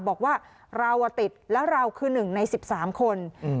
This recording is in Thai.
บอกว่าเราอะติดแล้วเราคือหนึ่งในสิบสามคนอืม